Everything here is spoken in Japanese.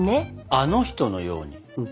あの人のように？